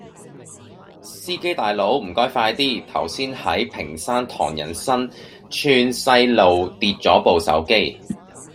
司機大佬唔該快啲，頭先喺屏山唐人新村西路跌左部手機